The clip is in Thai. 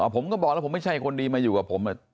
ผมก็บอกว่าผมไม่ใช่คนดีมาอยู่กับผมเนี่ย